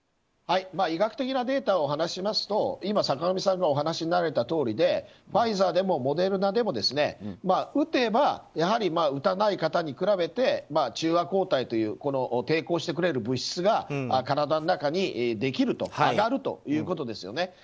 医学的なデータをお話しますと今、坂上さんがお話になったとおりでファイザーでもモデルナでも打てばやはり打たない方に比べて中和抗体という抵抗してくれる物質が体の中にできる、上がるということですよね。